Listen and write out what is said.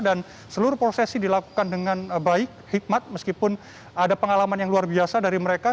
dan seluruh prosesi dilakukan dengan baik hikmat meskipun ada pengalaman yang luar biasa dari mereka